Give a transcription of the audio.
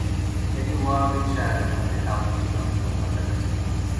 এটি ওয়ারউইকশায়ারের সাথে কাউন্টি সীমানার খুব কাছাকাছি।